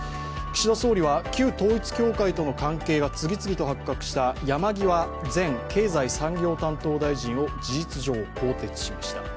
岸田総理は旧統一教会との関係が次々と発覚した山際前経済再生担当大臣を事実上、更迭しました。